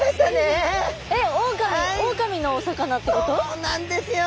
そうなんですよ。